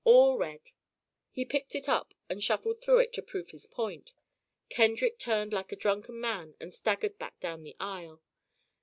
All red." He picked it up and shuffled through it to prove his point. Kendrick turned like a drunken man and staggered back down the aisle.